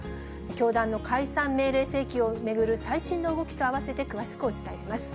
教団の解散命令請求を巡る最新の動きと合わせて詳しくお伝えします。